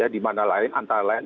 di mana lain antara lain